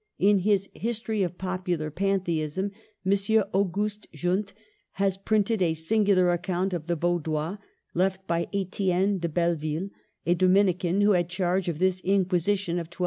In his '' History of Popular Panthe ism," M. Auguste Jundt has printed a singular account of the Vaudois left by Etienne de Belleville, a Dominican, who had charge of this Inquisition of 1233.